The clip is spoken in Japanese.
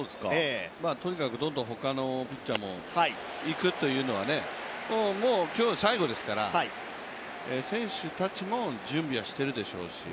とにかくどんどん他のピッチャーもいくというのは、もう、今日最後ですから選手たちも準備はしているでしょうし。